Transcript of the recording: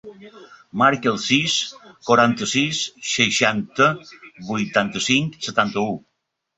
Marca el sis, quaranta-sis, seixanta, vuitanta-cinc, setanta-u.